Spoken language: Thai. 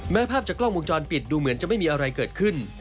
ภาพจากกล้องวงจรปิดดูเหมือนจะไม่มีอะไรเกิดขึ้น